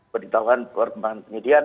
beritahuan perkembangan penyidikan